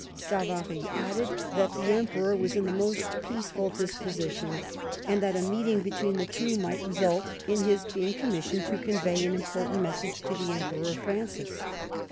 Savary added that the Emperor was in the most peaceful disposition, and that a meeting between the two might result in his being commissioned to convey an im portant message to the Emperor Francis.